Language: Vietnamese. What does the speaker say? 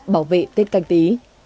bảo vệ tên canh tí